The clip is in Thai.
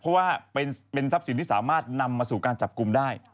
เพราะว่าเป็นทรัพย์สินที่สามารถนำมาสู่การจับกลุ่มได้